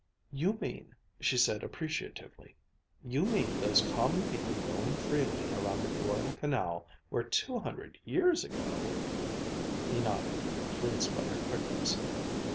"You mean," she said appreciatively, "you mean those common people going freely around the royal canal where two hundred years ago " He nodded, pleased by her quickness.